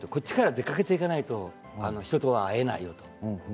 こっちから出かけていかないと人とは会えないと。